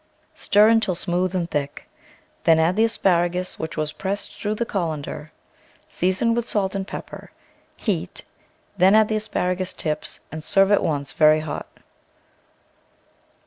Stir until smooth and thick; then add the asparagus which was pressed through the colander, season with salt and pepper, heat, then add the asparagus tips, and serve at once very hot.